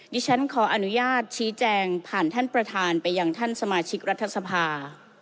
ดิฉันขออนุญาตชี้แจงผ่านท่านประธานไปยังท่านสมาชิกรัฐสภา